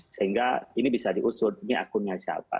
sehingga ini bisa diusut ini akunnya siapa